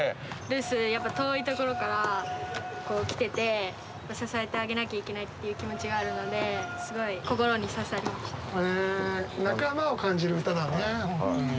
ルースやっぱ遠いところから来てて支えてあげなきゃいけないっていう気持ちがあるので仲間を感じる歌だね本当に。